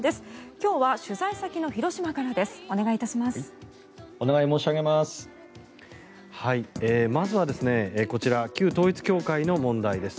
今日は取材先の広島からです。